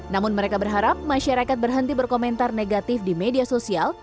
namun mereka berharap masyarakat berhenti berkomentar negatif di media sosial